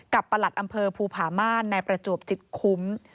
กับประหลัดอำเภอภูพาม่านในประจวบจิตคุม